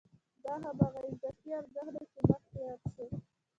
دا هماغه اضافي ارزښت دی چې مخکې یاد شو